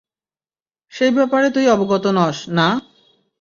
সেই ব্যাপারে তুই অবগত নস, না?